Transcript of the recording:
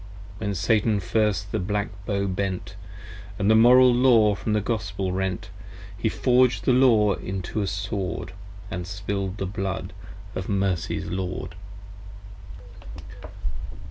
When Satan first the black bow bent And the Moral Law from the Gospel rent, He forg'd the Law into a Sword And spill'd the blood of mercy's Lord.